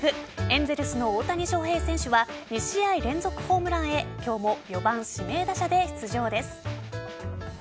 エンゼルスの大谷翔平選手は２試合連続ホームランへ今日も４番・指名打者で出場です。